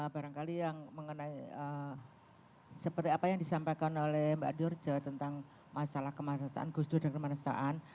barangkali yang mengenai seperti apa yang disampaikan oleh mbak durjo tentang masalah kemanusahaan gus dur dan kemanusiaan